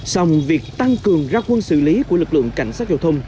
xong việc tăng cường ra quân xử lý của lực lượng cảnh sát giao thông